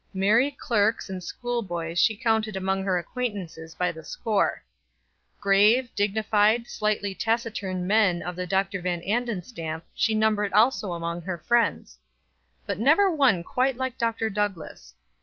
Merry clerks and schoolboys she counted among her acquaintances by the score. Grave, dignified, slightly taciturn men of the Dr. Van Anden stamp she numbered also among her friends; but never one quite like Dr. Douglass.